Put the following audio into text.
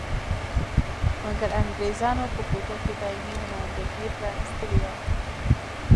مګر انګریزانو په کوټه کې دایمي نمایندګي پرانیستلې وه.